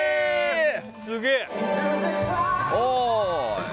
すげえ。